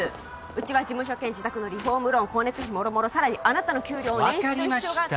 うちは事務所兼自宅のリフォームローン光熱費もろもろさらにあなたの給料を捻出分かりました